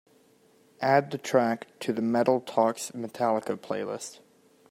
Add the track to the Metal Talks Metallica playlist.